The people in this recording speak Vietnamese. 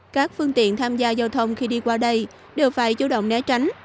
các phương tiện tham gia giao thông khi đi qua đây đều phải chủ động né tránh